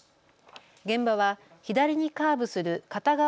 現場は左にカーブする片側